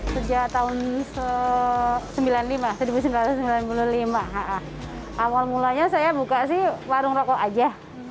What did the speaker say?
sejak tahun seribu sembilan ratus sembilan puluh lima awal mulanya saya buka sih warung rokok saja